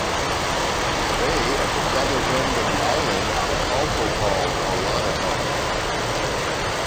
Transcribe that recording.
The bay at the southern end of the island is also called Alonnisos.